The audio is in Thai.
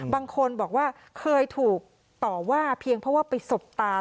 บางคนบอกว่าเคยถูกต่อว่าเพียงเพราะว่าไปสบตา